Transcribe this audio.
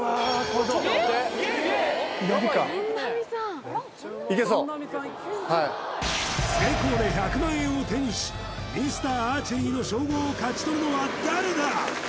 これ成功で１００万円を手にしミスターアーチェリーの称号を勝ち取るのは誰だ？